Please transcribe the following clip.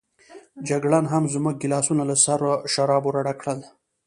جګړن هم زموږ ګیلاسونه له سرو شرابو راډک کړل.